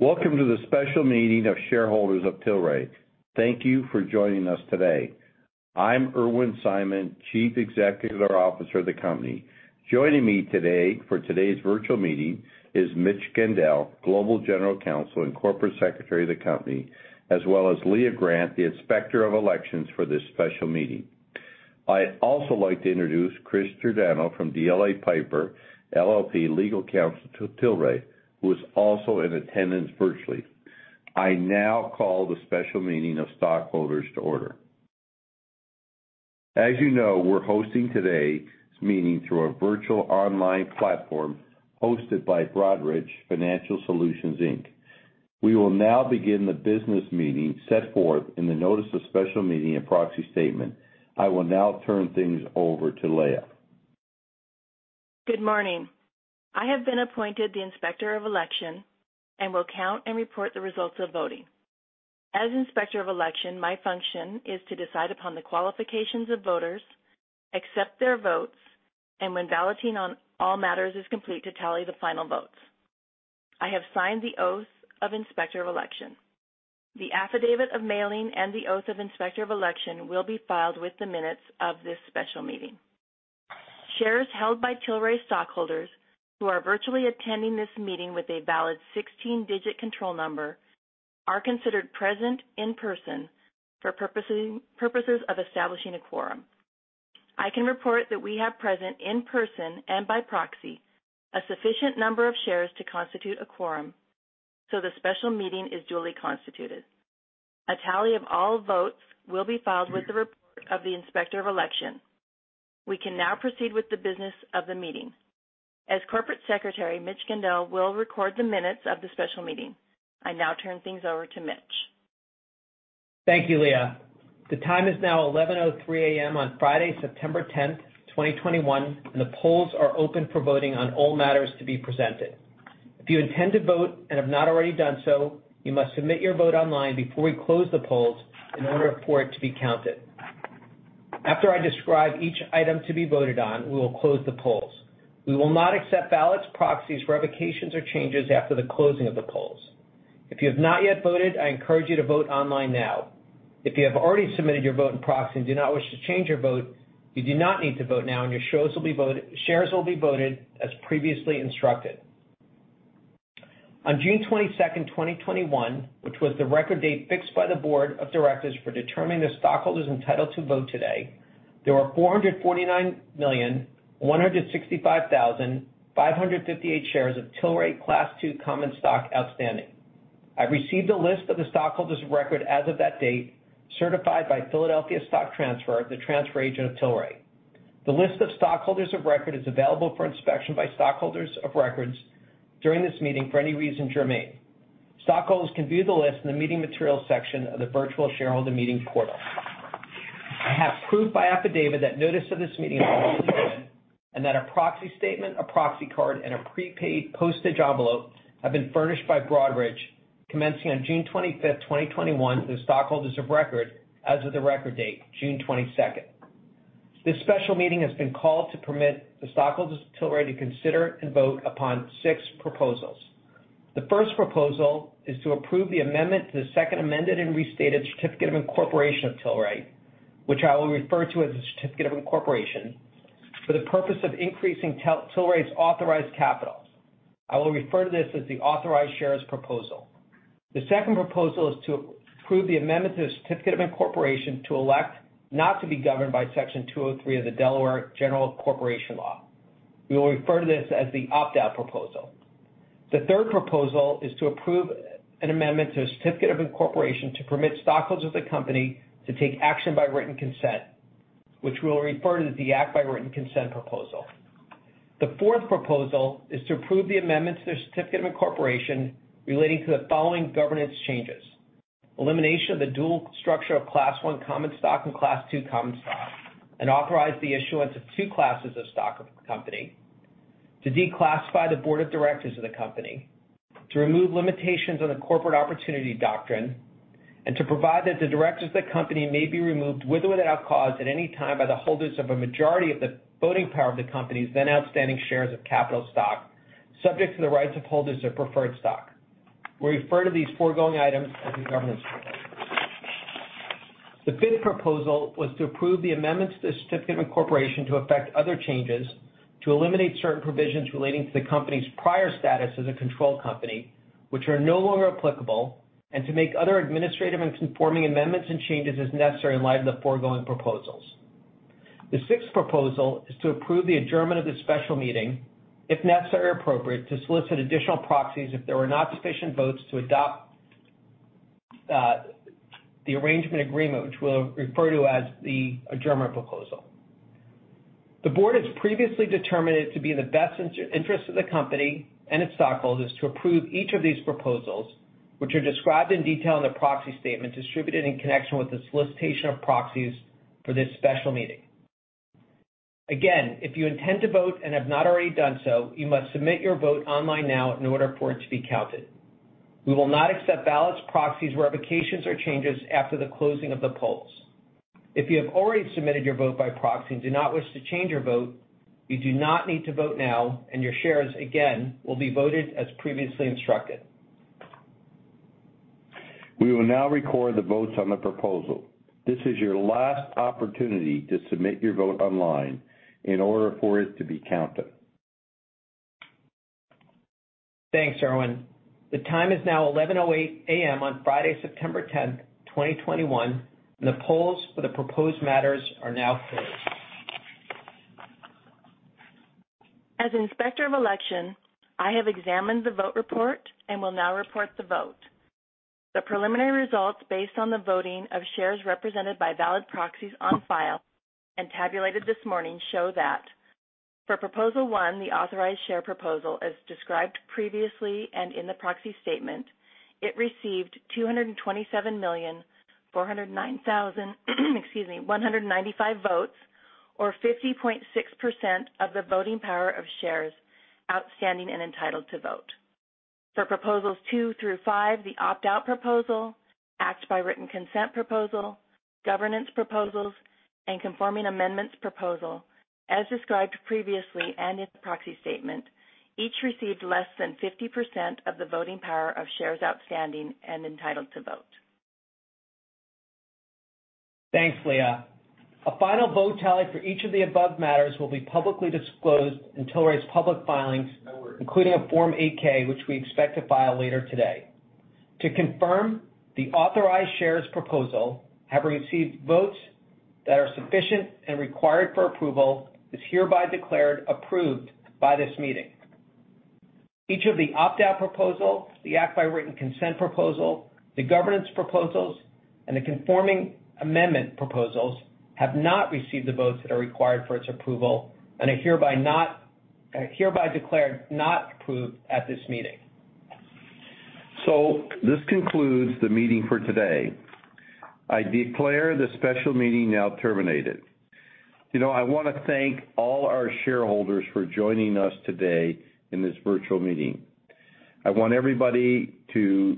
Welcome to the special meeting of shareholders of Tilray. Thank you for joining us today. I'm Irwin Simon, Chief Executive Officer of the company. Joining me today for today's virtual meeting is Mitch Gendel, Global General Counsel and Corporate Secretary of the company, as well as Leah Grant, the Inspector of Elections for this special meeting. I also like to introduce Chris Giordano from DLA Piper, LLP, Legal Counsel to Tilray, who is also in attendance virtually. I now call the special meeting of stockholders to order. As you know, we're hosting today's meeting through a virtual online platform hosted by Broadridge Financial Solutions, Inc. We will now begin the business meeting set forth in the notice of special meeting and proxy statement. I will now turn things over to Leah. Good morning. I have been appointed the inspector of election and will count and report the results of voting. As inspector of election, my function is to decide upon the qualifications of voters, accept their votes, and when balloting on all matters is complete, to tally the final votes. I have signed the oath of inspector of election. The affidavit of mailing and the oath of inspector of election will be filed with the minutes of this special meeting. Shares held by Tilray stockholders who are virtually attending this meeting with a valid 16-digit control number are considered present in person for purposes of establishing a quorum. I can report that we have present in person and by proxy, a sufficient number of shares to constitute a quorum, so the special meeting is duly constituted. A tally of all votes will be filed with the report of the inspector of election. We can now proceed with the business of the meeting. As Corporate Secretary, Mitchell Gendel will record the minutes of the special meeting. I now turn things over to Mitch. Thank you, Leah. The time is now 11:03 A.M. on Friday, September 10th, 2021, and the polls are open for voting on all matters to be presented. If you intend to vote and have not already done so, you must submit your vote online before we close the polls in order for it to be counted. After I describe each item to be voted on, we will close the polls. We will not accept ballots, proxies, revocations, or changes after the closing of the polls. If you have not yet voted, I encourage you to vote online now. If you have already submitted your vote and proxy and do not wish to change your vote, you do not need to vote now and your shares will be voted as previously instructed. On June 22nd, 2021, which was the record date fixed by the board of directors for determining the stockholders entitled to vote today, there were 449,165,558 shares of Tilray Class two common stock outstanding. I received a list of the stockholders of record as of that date, certified by Philadelphia Stock Transfer, the transfer agent of Tilray. The list of stockholders of record is available for inspection by stockholders of record during this meeting for any reasons germane. Stockholders can view the list in the meeting materials section of the virtual shareholder meeting portal. I have proof by affidavit that notice of this meeting was given and that a proxy statement, a proxy card, and a prepaid postage envelope have been furnished by Broadridge commencing on June 25th, 2021 to the stockholders of record as of the record date, June 22nd. This special meeting has been called to permit the stockholders of Tilray to consider and vote upon six proposals. The first proposal is to approve the amendment to the second amended and restated certificate of incorporation of Tilray, which I will refer to as the certificate of incorporation, for the purpose of increasing Tilray's authorized capital. I will refer to this as the authorized shares proposal. The second proposal is to approve the amendment to the certificate of incorporation to elect not to be governed by Section 203 of the Delaware General Corporation Law. We will refer to this as the opt-out proposal. The third proposal is to approve an amendment to the certificate of incorporation to permit stockholders of the company to take action by written consent, which we will refer to as the act by written consent proposal. The fourth proposal is to approve the amendments to the certificate of incorporation relating to the following governance changes: elimination of the dual structure of Class one common stock and Class II common stock and authorize the issuance of two classes of stock of the company, to declassify the board of directors of the company, to remove limitations on the corporate opportunity doctrine, and to provide that the directors of the company may be removed with or without cause at any time by the holders of a majority of the voting power of the company's then outstanding shares of capital stock, subject to the rights of holders of preferred stock. We refer to these foregoing items as the governance proposals. The fifth proposal was to approve the amendments to the certificate of incorporation to effect other changes, to eliminate certain provisions relating to the company's prior status as a controlled company, which are no longer applicable, and to make other administrative and conforming amendments and changes as necessary in light of the foregoing proposals. The sixth proposal is to approve the adjournment of this special meeting, if necessary or appropriate, to solicit additional proxies if there were not sufficient votes to adopt the arrangement agreement, which we'll refer to as the adjournment proposal. The board has previously determined it to be in the best interest of the company and its stockholders to approve each of these proposals, which are described in detail in the proxy statement distributed in connection with the solicitation of proxies for this special meeting. Again, if you intend to vote and have not already done so, you must submit your vote online now in order for it to be counted. We will not accept ballots, proxies, revocations, or changes after the closing of the polls. If you have already submitted your vote by proxy and do not wish to change your vote, you do not need to vote now and your shares, again, will be voted as previously instructed. We will now record the votes on the proposal. This is your last opportunity to submit your vote online in order for it to be counted. Thanks, Irwin. The time is now 11:08 A.M. on Friday, September 10th, 2021, and the polls for the proposed matters are now closed. As Inspector of Election, I have examined the vote report and will now report the vote. The preliminary results, based on the voting of shares represented by valid proxies on file and tabulated this morning, show that for Proposal one, the authorized share proposal, as described previously and in the proxy statement, it received 227,409, excuse me, 195 votes, or 50.6% of the voting power of shares outstanding and entitled to vote. For Proposals two through five, the opt-out proposal, act by written consent proposal, governance proposals, and conforming amendments proposal, as described previously and in the proxy statement, each received less than 50% of the voting power of shares outstanding and entitled to vote. Thanks, Leah. A final vote tally for each of the above matters will be publicly disclosed in Tilray's public filings, including a Form 8-K, which we expect to file later today. To confirm, the authorized shares proposal, having received votes that are sufficient and required for approval, is hereby declared approved by this meeting. Each of the opt-out proposal, the act by written consent proposal, the governance proposals, and the conforming amendment proposals have not received the votes that are required for its approval and are hereby declared not approved at this meeting. This concludes the meeting for today. I declare this special meeting now terminated. I want to thank all our shareholders for joining us today in this virtual meeting. I want everybody to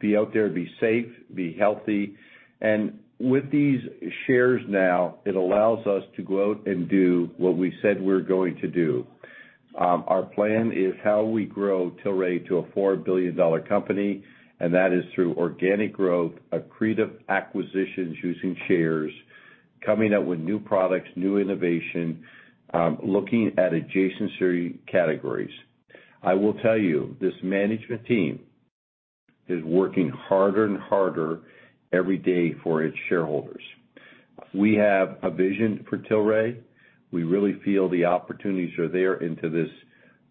be out there, be safe, be healthy. With these shares now, it allows us to go out and do what we said we're going to do. Our plan is how we grow Tilray to a $4 billion company, and that is through organic growth, accretive acquisitions using shares, coming out with new products, new innovation, looking at adjacency categories. I will tell you, this management team is working harder and harder every day for its shareholders. We have a vision for Tilray. We really feel the opportunities are there into this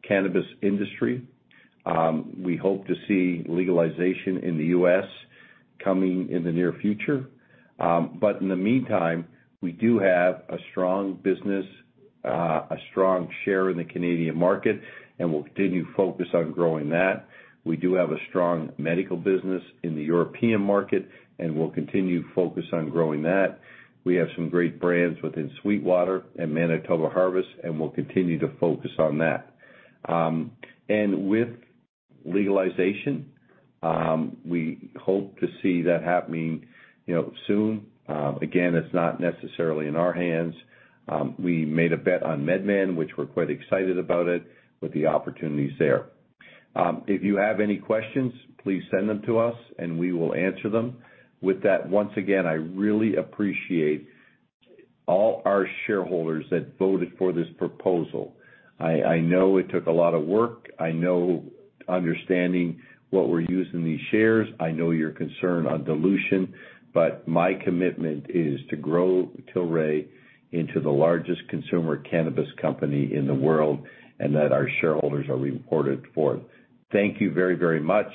cannabis industry. We hope to see legalization in the U.S. coming in the near future. In the meantime, we do have a strong business, a strong share in the Canadian market, and we'll continue to focus on growing that. We do have a strong medical business in the European market, and we'll continue to focus on growing that. We have some great brands within Sweetater and Manitoba Harvest, and we'll continue to focus on that. With legalization, we hope to see that happening soon. Again, it's not necessarily in our hands. We made a bet on MedMen, which we're quite excited about it, with the opportunities there. If you have any questions, please send them to us and we will answer them. With that, once again, I really appreciate all our shareholders that voted for this proposal. I know it took a lot of work. I know understanding what we're using these shares, I know your concern on dilution, but my commitment is to grow Tilray into the largest consumer cannabis company in the world, and that our shareholders are rewarded for it. Thank you very, very much,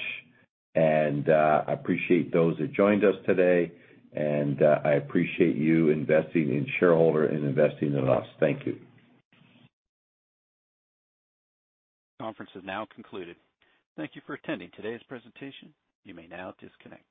and I appreciate those that joined us today, and I appreciate you investing in shareholder and investing in us. Thank you. Conference is now concluded. Thank you for attending today's presentation. You may now disconnect.